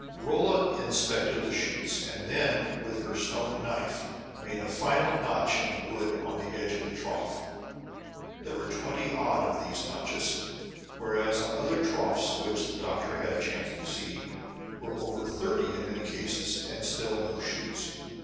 Rolla inspected the shoots, and then, with her stone knife, she made a final notch in the wood on the edge of the trough. There were twenty odd of these notches; whereas, on other troughs which the doctor had a chance to see, there were over thirty in many cases, and still no shoots.